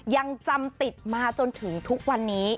ยังจำติดมาจนถึงทุกวันนี้